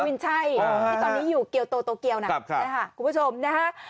โอมินใช่ที่ตอนนี้อยู่เกียวโตโตเกียวนะครับค่ะคุณผู้ชมนะครับ